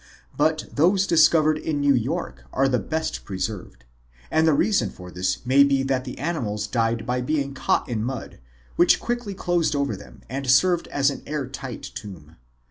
But those discovered in New York are the best preserved, and the reason 124 MIGHTY ANIMALS for this may be that the animals died by being caught in mud, which quickly closed over them and served as an air tight tomb.